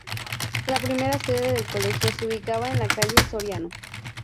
La primera sede del Colegio se ubicaba en la calle Soriano.